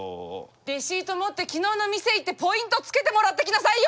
レシート持って昨日の店へ行ってポイント付けてもらってきなさいよ！